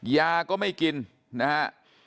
ยาก็ไม่กินนะฮะ